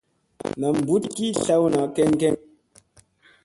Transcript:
Nam mbuɗ ki tlaw keŋ keŋ.